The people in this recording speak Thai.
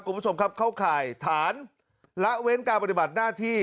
คุณผู้ชมครับเข้าข่ายฐานละเว้นการปฏิบัติหน้าที่